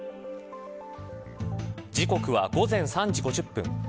時刻は午前３時５０分。